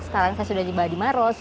sekarang saya sudah tiba di maros